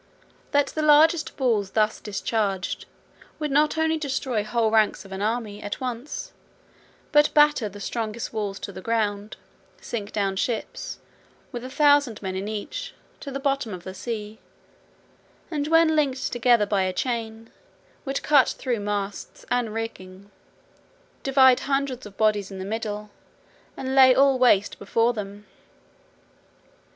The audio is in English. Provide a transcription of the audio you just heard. That the largest balls thus discharged, would not only destroy whole ranks of an army at once, but batter the strongest walls to the ground, sink down ships, with a thousand men in each, to the bottom of the sea, and when linked together by a chain, would cut through masts and rigging, divide hundreds of bodies in the middle, and lay all waste before them.